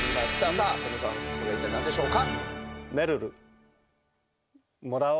さあトムさんこれは一体何でしょうか？